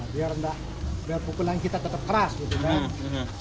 biar pukul yang kita tetap keras gitu kan